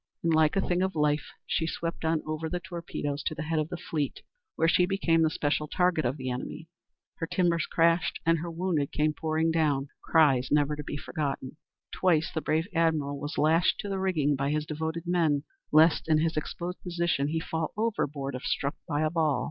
And like a thing of life she swept on over the torpedoes to the head of the fleet, where she became the special target of the enemy. Her timbers crashed, and her "wounded came pouring down, cries never to be forgotten." Twice the brave admiral was lashed to the rigging by his devoted men, lest in his exposed position he fall overboard if struck by a ball.